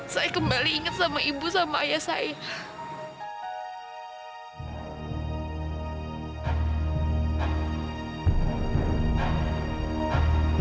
saya kembali ingat sama ibu sama ayah saya